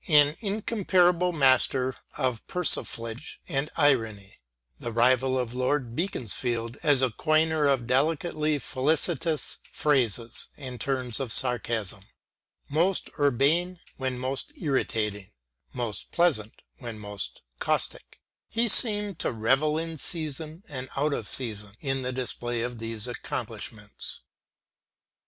. An incomparable master of persiflage and irony, the rival of Lord Beaconsfield as a coiner of delicately felicitous phrases and turns of sarcasm, most urbane when most irritating, most pleasant when most caustic, he seemed to revel in season and out of season in the display of these accomplishments.